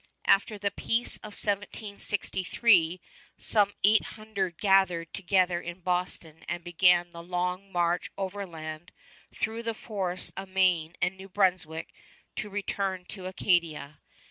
After the peace of 1763 some eight hundred gathered together in Boston and began the long march overland through the forests of Maine and New Brunswick, to return to Acadia.